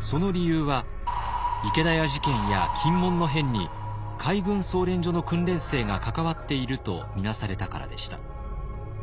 その理由は池田屋事件や禁門の変に海軍操練所の訓練生が関わっていると見なされたからでした。